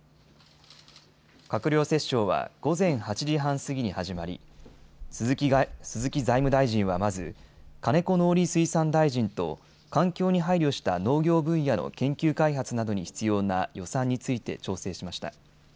閣僚折衝は午前８時半過ぎに始まり、鈴木財務大臣はまず金子農林水産大臣と環境に配慮した農業分野の研究開発などに必要な予算について調整しました。